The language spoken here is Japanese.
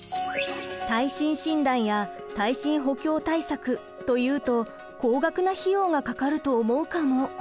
耐震診断や耐震補強対策というと高額な費用がかかると思うかも。